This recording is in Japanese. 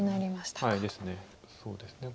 そうですね